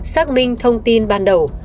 xác minh thông tin ban đầu